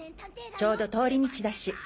ちょうど通り道だし。